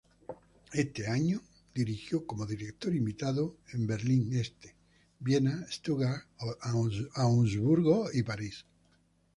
Ese año dirigió como director invitado en Berlín Este, Viena, Stuttgart, Augsburgo y París.